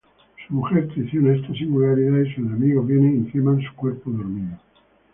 Su mujer traiciona esta singularidad y sus enemigos vienen y queman su cuerpo dormido.